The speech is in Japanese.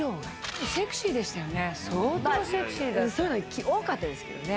そういうの多かったですけどね。